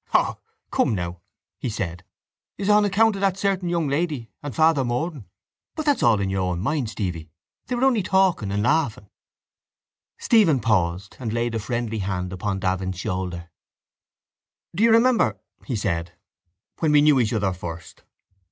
—Oh, come now, he said. Is it on account of that certain young lady and Father Moran? But that's all in your own mind, Stevie. They were only talking and laughing. Stephen paused and laid a friendly hand upon Davin's shoulder. —Do you remember, he said, when we knew each other first?